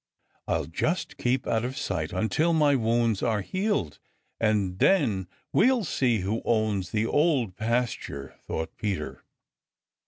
"I'll just keep out of sight until my wounds are healed, and then we'll see who owns the Old Pasture!" thought Peter.